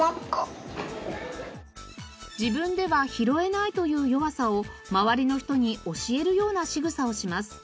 自分では拾えないという弱さを周りの人に教えるようなしぐさをします。